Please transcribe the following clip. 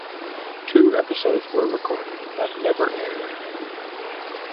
Two episodes were recorded but never aired.